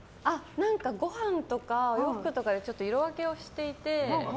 ごはんとかお洋服とかで色分けをしていて。